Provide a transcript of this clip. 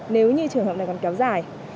nếu như trường hợp này còn kéo dài